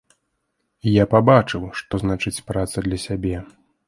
Я пабачыў, што значыць праца для сябе.